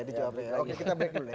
kita break dulu ya